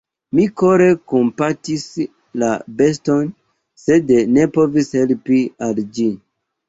Mi kore kompatis la beston, sed ne povis helpi al ĝi.